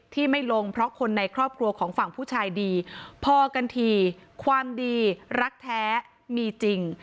ที่ไม่ลงเพราะคนในครอบครัวของฝั่งผู้ชายดีพอกันทีความดีรักแท้มีจริง